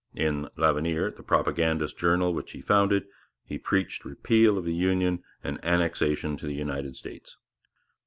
In L'Avenir, the propagandist journal which he founded, he preached repeal of the Union and annexation to the United States.